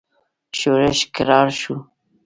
ښورښ کرار شو.